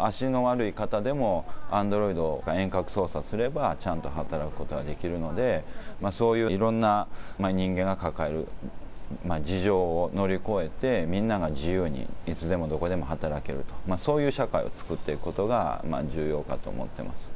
足の悪い方でも、アンドロイドを遠隔操作すれば、ちゃんと働くことができるので、そういういろんな人間が抱える事情を乗り越えて、みんなが自由に、いつでもどこでも働けると、そういう社会を作っていくことが重要かと思ってます。